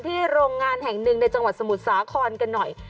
โรงงานแห่งหนึ่งในจังหวัดสมุทรสาครกันหน่อย